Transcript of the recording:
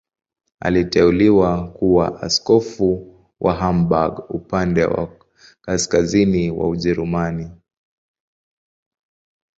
Aliteuliwa kuwa askofu wa Hamburg, upande wa kaskazini wa Ujerumani.